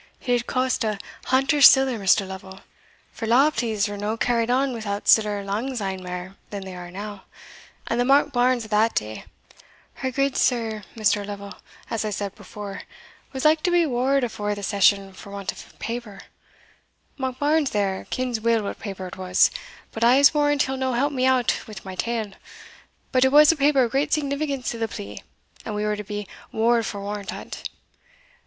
It had cost a hantle siller, Mr. Lovel; for law pleas were no carried on without siller lang syne mair than they are now and the Monkbarns of that day our gudesire, Mr. Lovel, as I said before was like to be waured afore the Session for want of a paper Monkbarns there kens weel what paper it was, but I'se warrant he'll no help me out wi' my tale but it was a paper of great significance to the plea, and we were to be waured for want o't.